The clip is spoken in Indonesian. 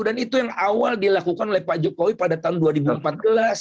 dan itu yang awal dilakukan oleh pak jokowi pada tahun dua ribu empat belas